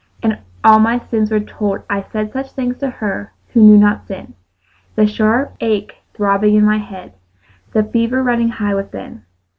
And all my sins were told; I said Such things to her who knew not sin The sharp ache throbbing in my head, The fever running high within.